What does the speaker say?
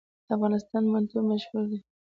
د افغانستان منتو مشهور دي